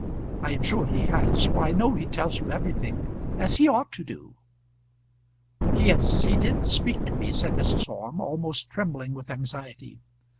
I am sure he has, for I know he tells you everything, as he ought to do." "Yes, he did speak to me," said Mrs. Orme, almost trembling with anxiety.